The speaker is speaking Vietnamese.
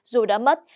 dù đã mất